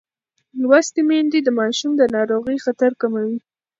لوستې میندې د ماشوم د ناروغۍ خطر کموي.